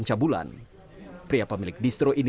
junto pasal enam puluh lima kuhp